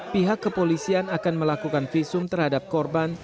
pihak kepolisian akan melakukan visum terhadap korban